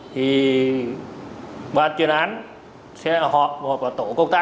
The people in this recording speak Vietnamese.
thì ban chuyên án sẽ họp vào tổ công tác